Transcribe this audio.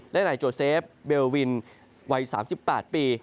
และนายโจเซฟเบลวินวัย๓๘ปี